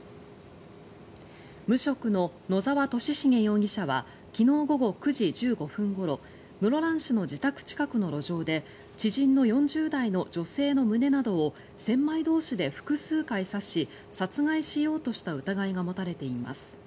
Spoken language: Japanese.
無職の野澤俊重容疑者は昨日午後９時１５分ごろ室蘭市の自宅近くの路上で知人の４０代の女性の胸などを千枚通しで複数回刺し殺害しようとした疑いが持たれています。